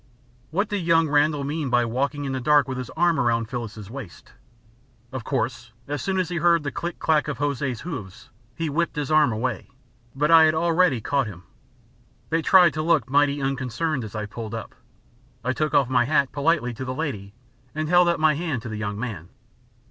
What did young Randall mean by walking in the dark with his arm round Phyllis's waist? Of course as soon as he heard the click clack of Hosea's hoofs he whipped his arm away; but I had already caught him. They tried to look mighty unconcerned as I pulled up. I took off my hat politely to the lady and held out my hand to the young man.